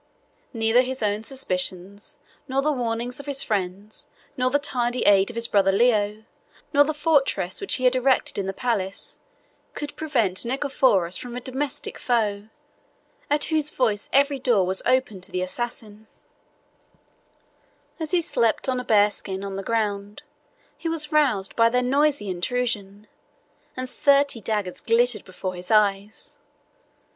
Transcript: Neither his own suspicions, nor the warnings of his friends, nor the tardy aid of his brother Leo, nor the fortress which he had erected in the palace, could protect Nicephorus from a domestic foe, at whose voice every door was open to the assassins. As he slept on a bear skin on the ground, he was roused by their noisy intrusion, and thirty daggers glittered before his eyes.